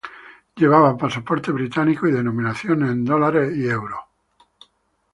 Llevaba pasaporte británico y denominaciones en dólares y euros.